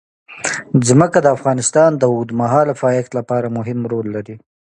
ځمکه د افغانستان د اوږدمهاله پایښت لپاره مهم رول لري.